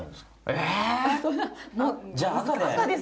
え？じゃあ赤で。